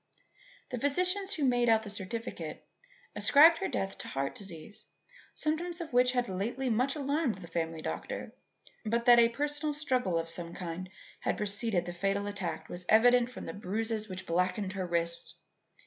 The physicians who made out the certificate ascribed her death to heart disease, symptoms of which had lately much alarmed the family doctor; but that a personal struggle of some kind had preceded the fatal attack was evident from the bruises which blackened her wrists.